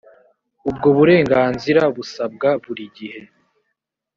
ubwo burenganzira busabwa buri gihe